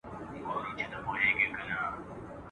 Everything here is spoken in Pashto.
زېږوې که د دې خلکو په څېر بل خر !.